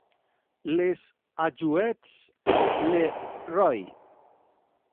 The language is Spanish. Les Alluets-le-Roi